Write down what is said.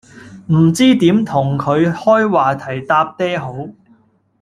唔知點同佢開話題搭嗲好